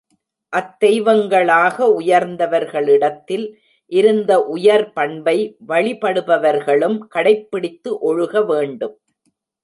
அத்தெய்வங்களாக உயர்ந்தவர்களிடத்தில் இருந்த உயர் பண்பை, வழிபடுபவர்களும் கடைப்பிடித்து ஒழுக வேண்டும்.